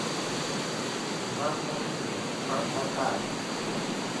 Mamma mie, mamma car.